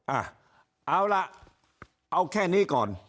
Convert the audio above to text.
อ่ะเอาล่ะเอาแค่นี้ก่อน